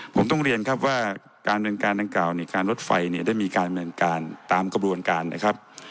ผมต้องเรียนครับว่าการดำเนินการดังกล่าวเนี่ยการรถไฟเนี่ยได้มีการดำเนินการตามกระบวนการนะครับ